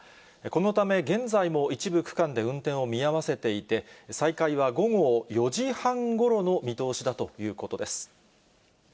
このため、現在も一部区間で運転を見合わせていて、再開は午後４時半ごろの見通しだということです。